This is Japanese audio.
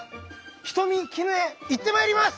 人見絹枝行ってまいります！